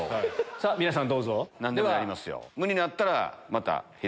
さぁ皆さんどうぞ。